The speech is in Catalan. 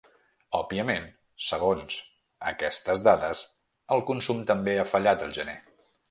Òbviament, segons aquestes dades, el consum també ha fallat el gener.